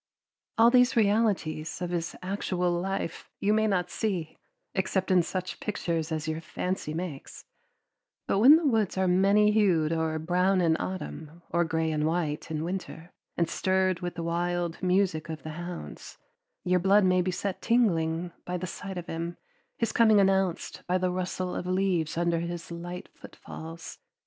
All these realities of his actual life you may not see except in such pictures as your fancy makes; but when the woods are many hued or brown in autumn, or gray and white in winter, and stirred with the wild music of the hounds, your blood may be set tingling by the sight of him, his coming announced by the rustle of leaves under his light footfalls.